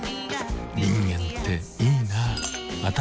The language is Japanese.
人間っていいナ。